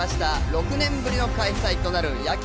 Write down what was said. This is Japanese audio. ６年ぶりの開催となる野球